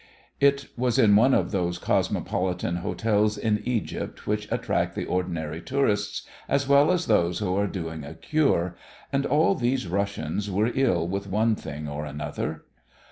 It was in one of those cosmopolitan hotels in Egypt which attract the ordinary tourists as well as those who are doing a "cure," and all these Russians were ill with one thing or another.